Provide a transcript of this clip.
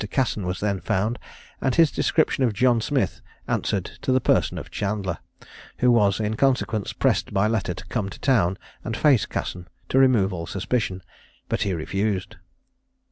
Casson was then found, and his description of John Smith answered to the person of Chandler, who was, in consequence, pressed by letter to come to town and face Casson, to remove all suspicion; but he refused.